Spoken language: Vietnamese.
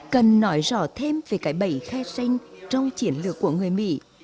cần nói rõ thêm về cái bẫy khe xanh trong chiến lược của người mỹ